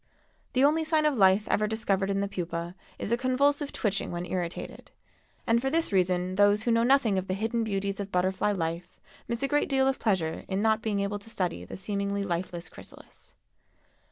The only sign of life ever discovered in the pupa is a convulsive twitching when irritated, and for this reason those who know nothing of the hidden beauties of butterfly life miss a great deal of pleasure in not being able to study the seemingly lifeless chrysalis.